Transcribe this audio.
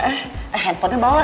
eh handphonenya bawa